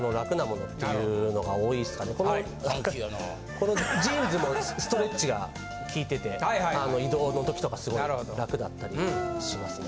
このジーンズもストレッチがきいてて移動の時とかすごい楽だったりしますね。